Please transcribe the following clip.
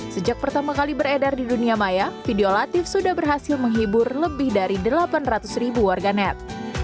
sejak pertama kali beredar di dunia maya video latif sudah berhasil menghibur lebih dari delapan ratus ribu warga net